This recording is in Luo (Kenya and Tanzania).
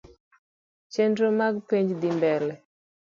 Chenro mar penj dhi mbele